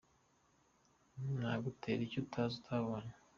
Nagutera icyo utazi utabonye.